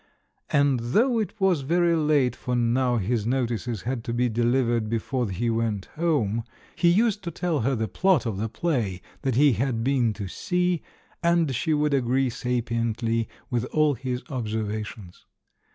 And though it was very late, for now his notices had to be delivered before he went home, he used to tell her the plot TIME, THE HUMORIST 285 of the play that he had been to see, and she would agree sapiently with all his observations.